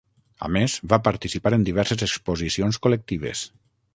A més, va participar en diverses exposicions col·lectives.